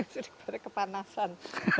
sudah kepada kepanasan